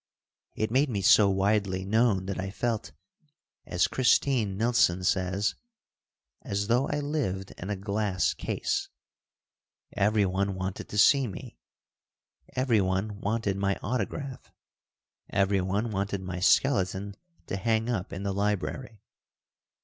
It made me so widely known that I felt, as Christine Nilsson says, "as though I lived in a glass case." Everyone wanted to see me. Everyone wanted my autograph. Everyone wanted my skeleton to hang up in the library.